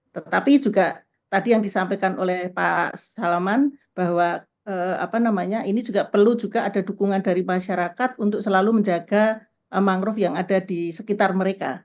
tetapi juga tadi yang disampaikan oleh pak salaman bahwa ini juga perlu juga ada dukungan dari masyarakat untuk selalu menjaga mangrove yang ada di sekitar mereka